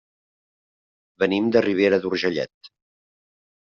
Venim de Ribera d'Urgellet.